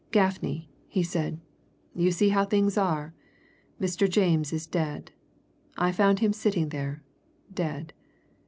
"Gaffney," he said. "You see how things are? Mr. James is dead I found him sitting there, dead.